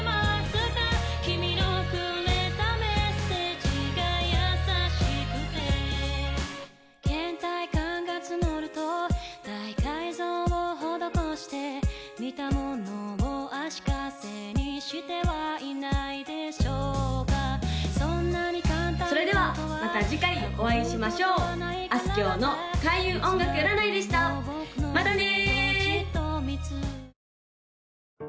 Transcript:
そんなに簡単にコトはそれではまた次回お会いしましょうあすきょうの開運音楽占いでしたまたね！